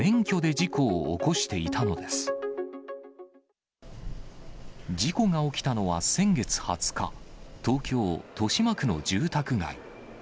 事故が起きたのは先月２０日、東京・豊島区の住宅街。